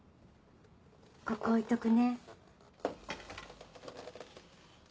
ここ置いとくね。